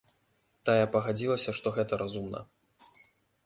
Тая пагадзілася, што гэта разумна.